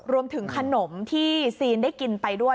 รวมถึงขนมที่ซีนได้กินไปด้วย